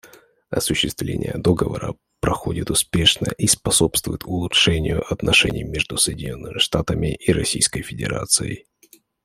Осуществление Договора проходит успешно и способствует улучшению отношений между Соединенными Штатами и Российской Федерацией.